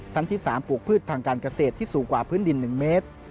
ที่๓ปลูกพืชทางการเกษตรที่สูงกว่าพื้นดิน๑เมตร